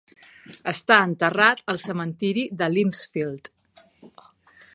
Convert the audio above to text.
Està enterrat al cementiri de Limpsfield.